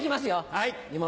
はい。